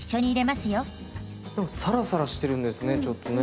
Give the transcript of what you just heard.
サラサラしてるんですねちょっとね。